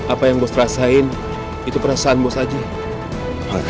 apa yang bos rasain itu perasaan bos saja